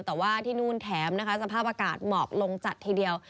แต่ว่าที่นู่นแถมนะคะสภาพอากาศหมอกลงจัดทีเดียว